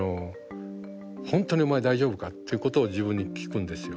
「本当にお前大丈夫か」ということを自分に聞くんですよ。